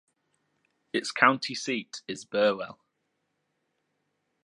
Its county seat is Burwell.